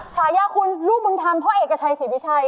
ฉายาคุณลูกบุญธรรมพ่อเอกชัยศรีวิชัย